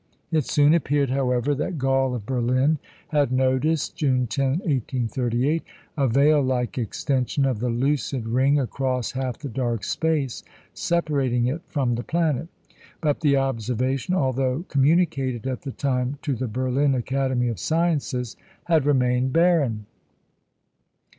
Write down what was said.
It soon appeared, however, that Galle of Berlin had noticed, June 10, 1838, a veil like extension of the lucid ring across half the dark space separating it from the planet; but the observation, although communicated at the time to the Berlin Academy of Sciences, had remained barren.